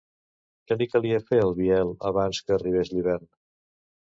Què li calia fer al Biel abans que arribés l'hivern?